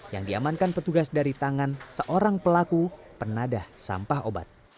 yang diamankan petugas dari tangan seorang pelaku penadah sampah obat